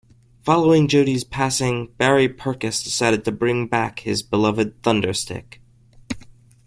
Following Jodee's passing, Barry Purkis decided to bring back his beloved Thunderstick.